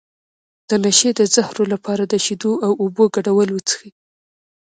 د نشې د زهرو لپاره د شیدو او اوبو ګډول وڅښئ